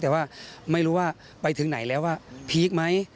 แต่ว่าไม่รู้ว่าไปถึงไหนแล้วว่าพีคไหม